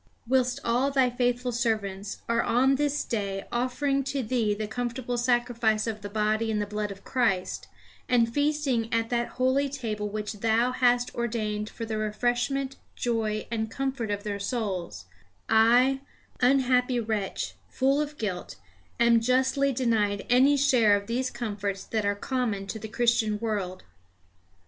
"Whilst all Thy faithful servants are on this day offering to Thee the comfortable sacrifice of the body and the blood of Christ, and feasting at that holy table which Thou hast ordained for the refreshment, joy, and comfort of their souls, I, unhappy wretch, full of guilt, am justly denied any share of these comforts that are common to the Christian world.